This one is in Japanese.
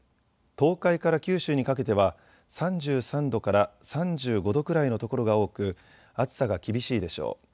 東海から九州にかけては３３度から３５度くらいの所が多く暑さが厳しいでしょう。